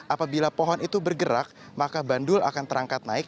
apabila pohon itu bergerak maka bandul akan terangkat naik